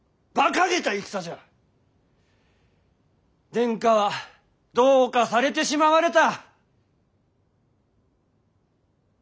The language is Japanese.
殿下はどうかされてしまわれた。